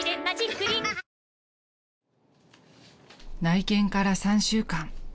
［内見から３週間］